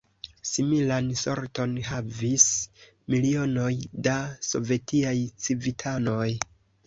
Similan sorton havis milionoj da sovetiaj civitanoj.